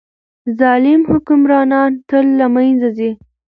ظالم حکمرانان تل له منځه ځي.